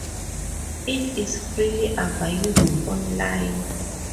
It is freely available online.